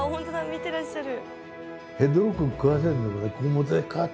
見てらっしゃる。